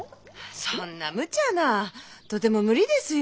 そんなむちゃなとても無理ですよ。